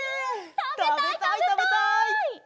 たべたいたべたい！